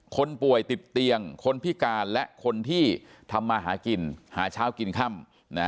คนป่วยติดเตียงคนพิการและคนที่ทำมาหากินหาเช้ากินค่ำ